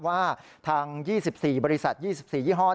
ว่าทาง๒๔บริษัท๒๔ยี่ห้อ